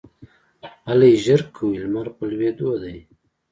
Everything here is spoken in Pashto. هلئ ژر کوئ ! لمر په لوېدو دی